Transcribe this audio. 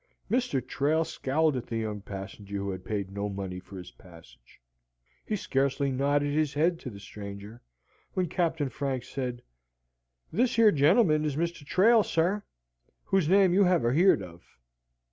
Mr. Trail scowled at the young passenger who had paid no money for his passage. He scarcely nodded his head to the stranger, when Captain Franks said, "This here gentleman is Mr. Trail, sir, whose name you have a heerd of."